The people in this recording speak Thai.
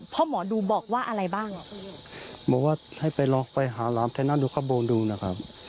พ่อหมอดูบอกว่าอะไรบ้างบอกว่าให้ไปลองไปหาหลังแท้น้ำดูข้างบนดูนะครับ